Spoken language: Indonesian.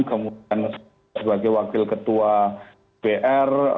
kemudian sebagai wakil ketua br